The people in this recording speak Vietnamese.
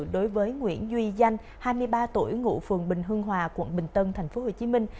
đối với nguyễn duy danh hai mươi ba tuổi ngụ phường bình hương hòa quận bình tân thành phố hồ chí minh